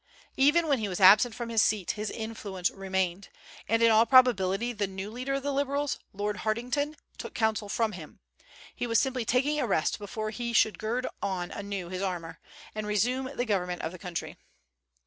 Even when he was absent from his seat, his influence remained, and in all probability the new leader of the Liberals, Lord Hartington, took counsel from him. He was simply taking a rest before he should gird on anew his armor, and resume the government of the country.